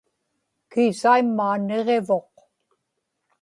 kiisaimmaa niġivuq